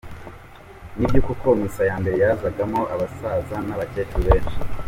Nibyo koko misa ya mbere yazagamo abasaza n’abakecuru benshi.